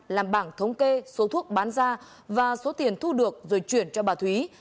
làm bảng thống kê số thuốc bán ra và số tiền thu được rồi chuyển cho bà thúy